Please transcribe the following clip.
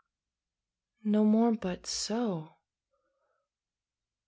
No more but so?